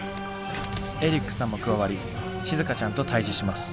エリックさんも加わりしずかちゃんと対じします。